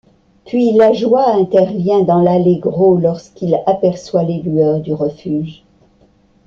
Puis la joie intervient dans l'allegro lorsqu'il aperçoit les lueurs du refuge.